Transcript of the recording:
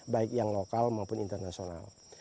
baik yang lokal maupun internasional